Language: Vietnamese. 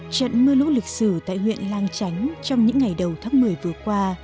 trận mưa lũ lịch sử tại huyện lang chánh trong những ngày đầu tháng một mươi vừa qua